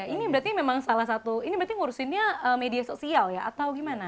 ini berarti memang salah satu ini berarti ngurusinnya media sosial ya atau gimana